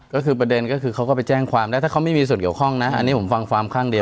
ก็คือประเด็นก็คือเขาก็ไปแจ้งความแล้วถ้าเขาไม่มีส่วนเกี่ยวข้องนะอันนี้ผมฟังความข้างเดียว